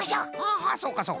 ああそうかそうか。